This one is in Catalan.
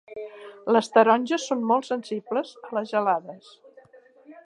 Les taronges són molt sensibles a les gelades.